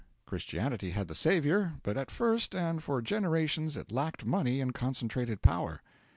Christianity had the Saviour, but at first and for generations it lacked money and concentrated power.